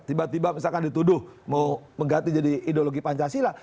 tiba tiba misalkan dituduh mau mengganti jadi ideologi pancasila